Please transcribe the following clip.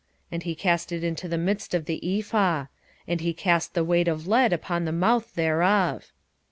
And he cast it into the midst of the ephah; and he cast the weight of lead upon the mouth thereof.